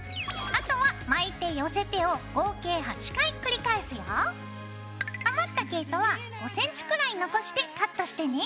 あとは巻いて寄せてを合計余った毛糸は５ｃｍくらい残してカットしてね。